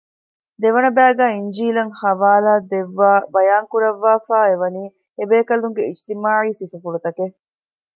ދެވަނަ ބައިގައި އިންޖީލަށް ޙަވާލާދެއްވައި ބަޔާންކުރައްވައިފައިއެވަނީ އެބޭކަލުންގެ އިޖްތިމާޢީ ސިފަފުޅުތަކެއް